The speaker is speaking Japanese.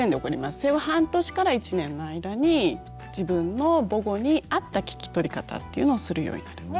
生後半年から１年の間に自分の母語に合った聞き取り方っていうのをするようになると。